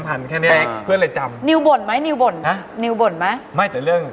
เป๊กแบงค์พันธุ์